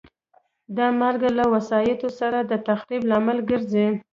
دا مالګه له وسایطو سره د تخریب لامل ګرځي.